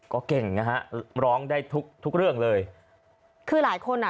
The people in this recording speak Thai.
ก็เก่งนะฮะร้องได้ทุกทุกเรื่องเลยคือหลายคนอ่ะ